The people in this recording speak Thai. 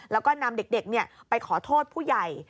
แล้วก็นำเด็กไปขอโทษผู้ใหญ่